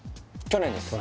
去年です